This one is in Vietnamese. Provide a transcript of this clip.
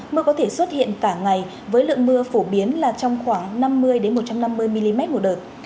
mưa có thể xuất hiện cả ngày với lượng mưa phổ biến là trong khoảng năm mươi một trăm năm mươi mm một đợt